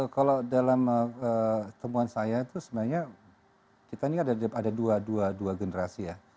kalau dalam temuan saya itu sebenarnya kita ini ada dua generasi ya